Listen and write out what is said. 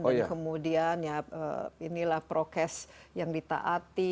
dan kemudian ya inilah prokes yang ditaati